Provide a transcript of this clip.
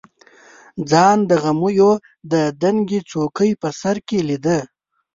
ځان د غمیو د دنګې څوکې په سر کې لیده.